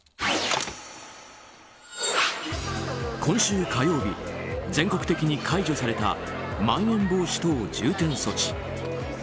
今週火曜日全国的に解除されたまん延防止等重点措置。